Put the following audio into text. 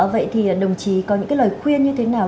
vậy thì đồng chí có những cái lời khuyên như thế nào